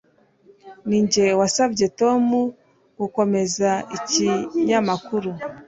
Ninjye wasabye Tom gukomeza ikinyamakuru.